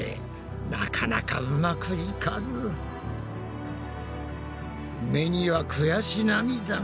なかなかうまくいかず目には悔し涙が。